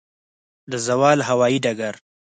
د زاول هوايي ډګر